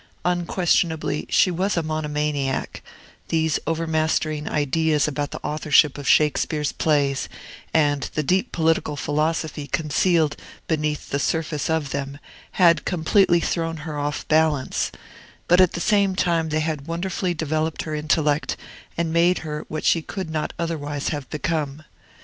Unquestionably, she was a monomaniac; these overmastering ideas about the authorship of Shakespeare's plays, and the deep political philosophy concealed beneath the surface of them, had completely thrown her off her balance; but at the same time they had wonderfully developed her intellect, and made her what she could not otherwise have become.